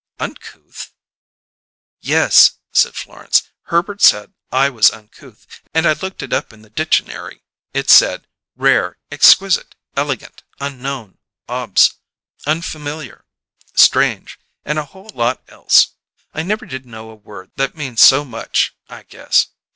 "'Uncouth'?" "Yes," said Florence. "Herbert said I was uncouth, and I looked it up in the ditchanary. It said, 'Rare, exquisite, elegant, unknown, obs, unfamiliar, strange,' and a whole lot else. I never did know a word that means so much, I guess.